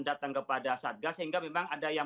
datang kepada satgas sehingga memang ada yang